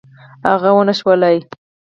هغه ونشوله.